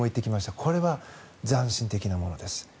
これは斬新なものです。